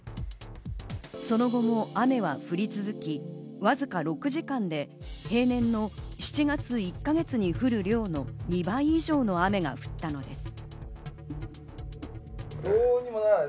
その後も雨は降り続き、わずか６時間で平年の７月１か月に降る量の２倍以上の雨が降ったのです。